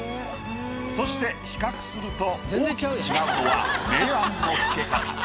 そして比較すると大きく違うのは明暗の付け方。